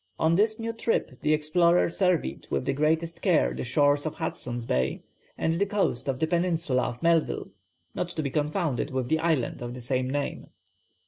On this new trip the explorer surveyed with the greatest care the shores of Hudson's Bay and the coast of the peninsula of Melville, not to be confounded with the island of the same name.